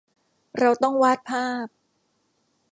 เราต้องวาดภาพ